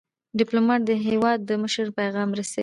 ډيپلومات د هیواد د مشر پیغام رسوي.